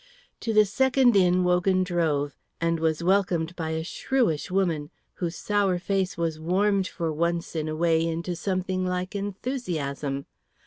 To this second inn Wogan drove, and was welcomed by a shrewish woman whose sour face was warmed for once in a way into something like enthusiasm.